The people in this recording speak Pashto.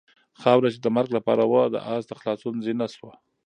خاوره چې د مرګ لپاره وه د آس د خلاصون زینه شوه.